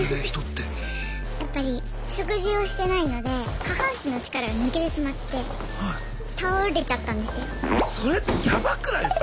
やっぱり食事をしてないので下半身の力が抜けてしまって倒れちゃったんですよ。